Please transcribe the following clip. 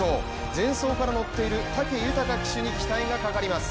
前走から乗っている武豊騎手に期待がかかります。